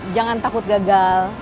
jangan takut gagal